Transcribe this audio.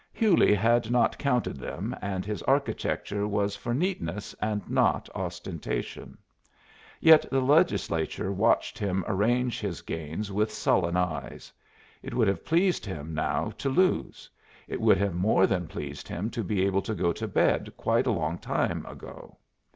Hewley had not counted them, and his architecture was for neatness and not ostentation; yet the Legislature watched him arrange his gains with sullen eyes. It would have pleased him now to lose; it would have more than pleased him to be able to go to bed quite a long time ago.